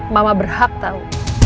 mama berhak tau